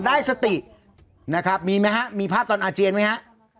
ได้สตินะครับมีไหมฮะมีภาพตอนอาเจียนไหมฮะ